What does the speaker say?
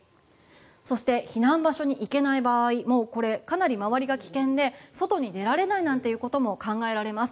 そして避難場所に行けない場合かなり周りが危険で外に出られないなんてことも考えられます。